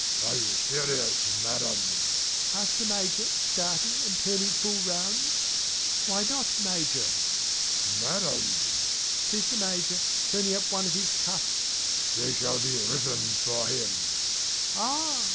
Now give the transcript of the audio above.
"Are you serious Madam?" asked the Major starting and turning full round. "Why not Major?" "Madam" says the Major, turning up one of his cuffs, "they shall be written for him." "Ah!